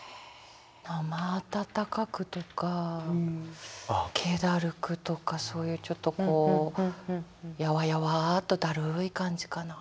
「生温かく」とか「気だるく」とかそういうちょっとこうやわやわっとだるい感じかな。